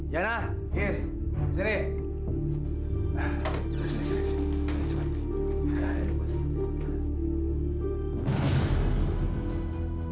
jana yes sini